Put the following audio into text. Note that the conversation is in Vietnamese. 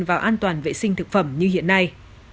vào an toàn vệ sinh thực phẩm như hiện nay